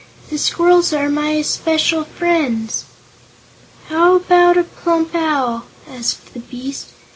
"The squirrels are my especial friends." "How about a plump owl?" asked the beast.